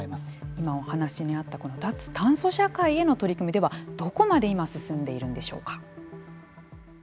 今お話にあったこの脱炭素社会への取り組みでは、どこまで今、進んでいるんでしょうか。